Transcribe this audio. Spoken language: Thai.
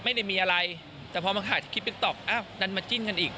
ไม่ได้มีอะไรแต่พอมาถ่ายคลิปติ๊กต๊อกอ้าวดันมาจิ้นกันอีก